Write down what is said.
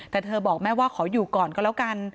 แต่เธอบอกแม่ว่าขออยู่ก่อนก็แล้วกัน